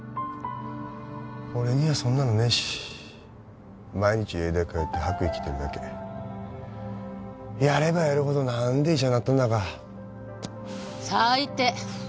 俺にはそんなのねえし毎日永大通って白衣着てるだけやればやるほど何で医者になったんだか・最低！